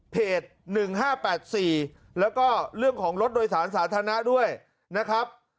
๑๕๘๔แล้วก็เรื่องของรถโดยสารสาธารณะด้วยนะครับ